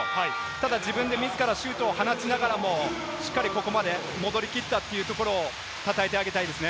ただ自分で自らシュートを放ちながらも、しっかりここまで戻りきったというところを称えてあげたいですね。